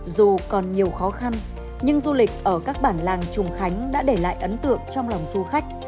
dù còn nhiều khó khăn nhưng du lịch ở các bản làng trùng khánh đã để lại ấn tượng trong lòng du khách